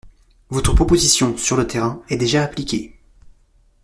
Votre proposition, sur le terrain, est déjà appliquée.